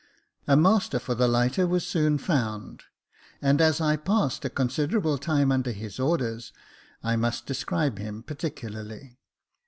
A master for the lighter was soon found ; and as I passed a considerable time under his orders, I must describe him particularly.